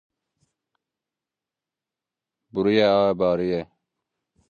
Buriyê ae bariyê.